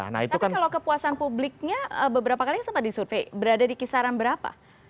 tapi kalau kepuasan publiknya beberapa kali sama disurvey berada di kisaran berapa